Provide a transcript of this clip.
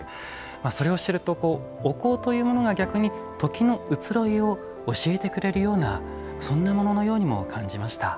それを知るとお香というものが逆に時の移ろいを教えてくれるようなそんなもののように感じました。